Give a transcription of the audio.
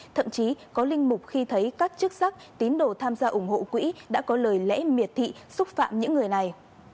thậm chí có linh mục khi thấy các chức sắc tín đồ tham gia ủng hộ quỹ đã có lời lẽ miệt thị xúc phạm những người này